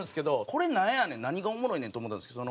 これなんやねん何がおもろいねんと思ったんですけど。